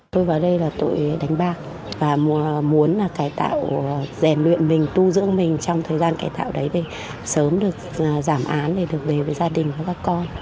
tôi vào đây là tội đánh bạc và muốn cải tạo rèn luyện mình tu dưỡng mình trong thời gian cải tạo đấy để sớm được giảm án để được về với gia đình và các con